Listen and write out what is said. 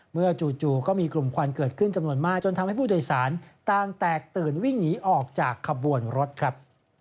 จู่ก็มีกลุ่มควันเกิดขึ้นจำนวนมากจนทำให้ผู้โดยสารต่างแตกตื่นวิ่งหนีออกจากขบวนรถครับ